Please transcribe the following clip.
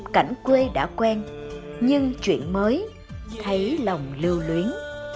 cảnh quê đã quen nhưng chuyện mới thấy lòng lưu luyến